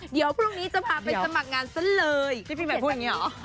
เดี๋ยวพรุ่งนี้จะพาไปสมัครงานเสร็จเลยอย่างงี้อะพี่หมายพูดอย่างงี้เหรอ